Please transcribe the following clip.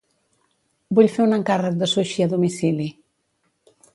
Vull fer un encàrrec de sushi a domicili.